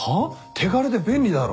手軽で便利だろ。